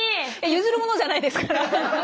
譲るものじゃないですから。